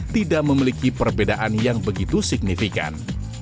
tidak memiliki perbedaan yang begitu signifikan